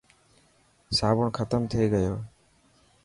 صابڻ ختم تي گيو.